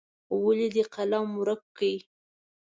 ولې دې قلم ورک کړ.